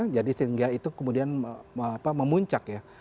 jadi sehingga itu kemudian memuncak ya